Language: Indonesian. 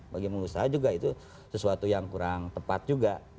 bagi pengusaha juga itu sesuatu yang kurang tepat juga